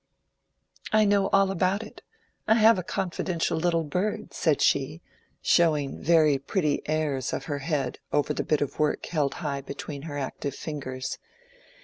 "I know all about it. I have a confidential little bird," said she, showing very pretty airs of her head over the bit of work held high between her active fingers.